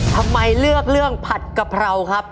ทำไมเลือกเรื่องผัดกะเพราครับ